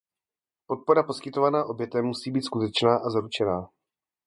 Podpora poskytovaná obětem musí být skutečná a zaručená.